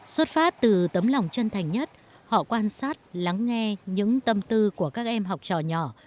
xuất phát từ tấm lòng chân thành nhất họ quan sát lắng nghe những tâm tư của các em học trò nhỏ